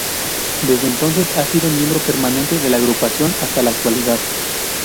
Desde entonces ha sido miembro permanente de la agrupación hasta la actualidad.